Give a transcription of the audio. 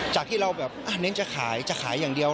จากที่เราแบบเน้นจะขายจะขายอย่างเดียว